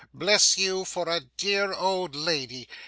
Bless you for a dear old lady.